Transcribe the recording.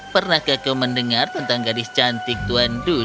pernahkah kau mendengar tentang gadis cantik tuan du